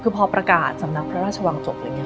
คือพอประกาศสำนักพระราชวังจบ